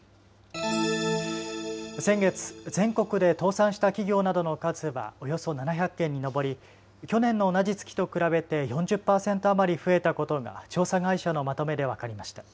先月、全国で倒産した企業などの数はおよそ７００件に上り去年の同じ月と比べて４０％余り増えたことが調査会社のまとめで分かりました。